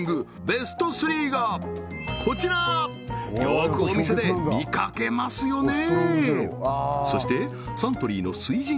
ベスト３がこちらよくお店で見かけますよね